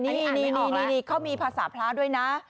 นี่เขามีภาษาพระด้วยนะ